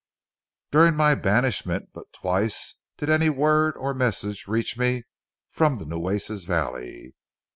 During my banishment, but twice did any word or message reach me from the Nueces valley.